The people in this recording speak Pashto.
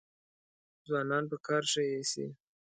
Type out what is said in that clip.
ځوانان په کار ښه ایسي.